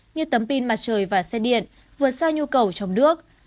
như tấm pin mặt trời và xe điện vượt xa nhu cầu trong nước